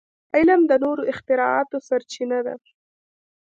علم د نوو اختراعاتو سرچینه ده.